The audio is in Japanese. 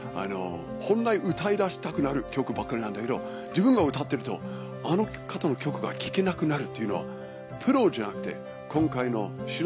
本来歌い出したくなる曲ばかりなんだけど自分が歌ってるとあの方の曲が聴けなくなるというのはプロじゃなくて今回の素人さん。